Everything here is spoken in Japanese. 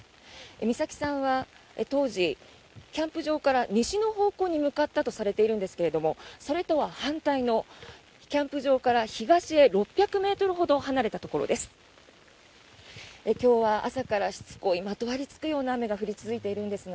美咲さんは当時、キャンプ場から西の方向に向かったとされているんですけれどもそれとは反対のキャンプ場から東へ６００ｍほど離れたところです。